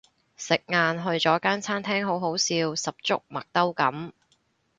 食晏去咗間餐廳好好笑十足麥兜噉